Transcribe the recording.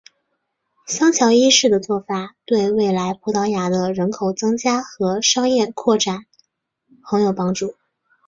桑乔一世的做法对未来葡萄牙的人口增加和商业扩展很有帮助。